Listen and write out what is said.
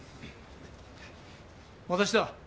私だ。